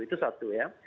itu satu ya